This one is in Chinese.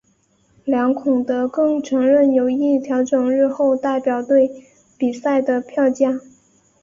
梁孔德更承认有意调整日后代表队比赛的票价。